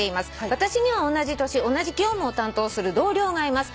私には同じ年同じ業務を担当する同僚がいます。